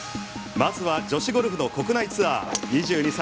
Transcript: まずは女子ゴルフの国内ツアー２２歳